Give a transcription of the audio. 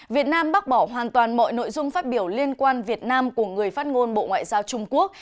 việt nam bác bỏ hoàn toàn mọi nội dung phát biểu liên quan việt nam của người phát ngôn bộ ngoại giao trung quốc